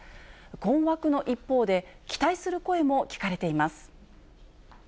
困惑の一方で、期待する声も聞かれています。